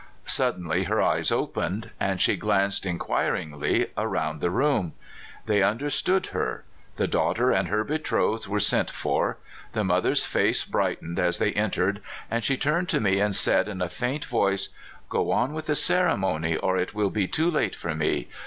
Suddenly her eyes opened, and she glanced inquiringly around the room. They understood her. The daughter and her betrothed were sent for. The mother's face brightened as they entered and she turned to me and said, in a faint voice: " Go on with the ceremony, or it will be too late for me.